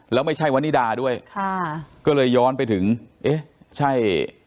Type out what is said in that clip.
แล้วไม่ใช่วันนิดาด้วยค่ะก็เลยย้อนไปถึงเอ๊ะใช่